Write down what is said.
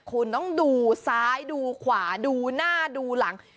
คุณต้องดูซ้ายดูขวาดูหน้าดูหลัง